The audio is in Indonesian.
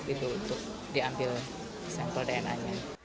itu untuk diambil sampel dna nya